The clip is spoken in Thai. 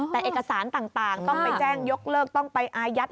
แต่เอกสารต่างต้องไปแจ้งยกเลิกต้องไปอายัด